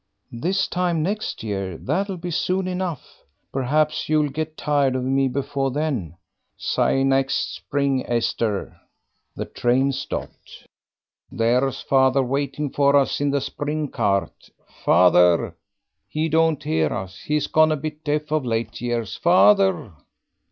"This time next year; that'll be soon enough. Perhaps you'll get tired of me before then." "Say next spring, Esther." The train stopped. "There's father waiting for us in the spring cart. Father! He don't hear us. He's gone a bit deaf of late years. Father!"